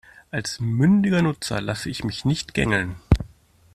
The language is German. Als mündiger Nutzer lasse ich mich nicht gängeln.